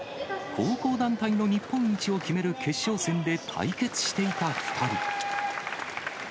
高校団体の日本一を決める決勝戦で対決していた２人。